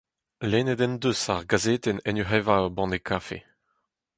Lennet en deus ar gazetenn en ur evañ ur banne kafe.